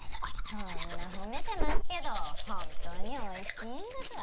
そんな褒めてますけど本当においしいんだか。